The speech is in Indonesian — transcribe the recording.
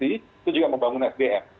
itu juga membangun sdm